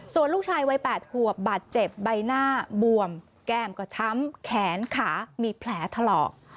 ส่วนลูกชายวัย๘ขวบบาดเจ็บใบหน้าบวมแก้มก็ช้ำแขนขามีแผลถลอก